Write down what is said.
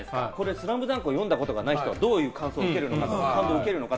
『ＳＬＡＭＤＵＮＫ』を読んだことないのはどういう感想を受けるのかって。